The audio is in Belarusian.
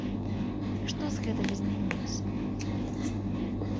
Што з гэтага змянілася?